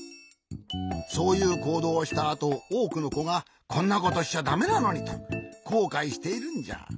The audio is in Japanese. そういうこうどうをしたあとおおくのこが「こんなことしちゃだめなのに」とこうかいしているんじゃ。